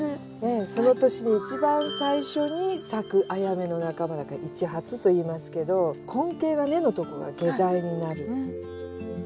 その年に一番最初に咲くアヤメの仲間だからイチハツといいますけど根茎が根のとこが下剤になる。